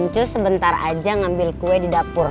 cus sebentar aja ngambil kue di dapur